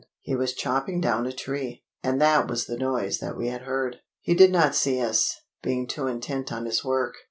He was chopping down a tree, and that was the noise that we had heard. He did not see us, being too intent on his work.